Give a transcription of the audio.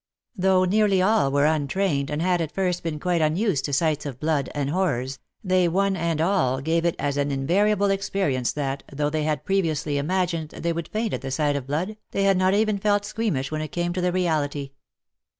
Though nearly all were un trained and had at first been quite unused to sights of blood and horrors, they one and a;ll gave it as an invariable experience that, though they had previously imagined they would faint at the sight of blood, they had not even felt squeamish when it came to the reality.